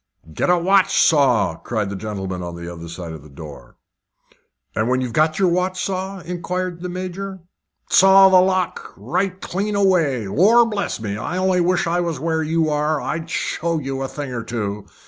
"Get a watch saw," cried the gentleman on the other side the door. "And when you've got your watch saw?" inquired the Major. "Saw the whole lock right clean away. Lor' bless me! I only wish I was where you are, I'd show you a thing or two.